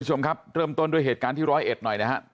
คุณผู้ชมครับเติมต้นด้วยเหตุการณ์ที่๑๐๑หน่อยนะครับ